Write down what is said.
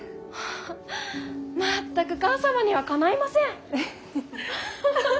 全く母さまにはかないません。